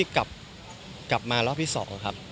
คือการที่กลับมารอบที่สองครับ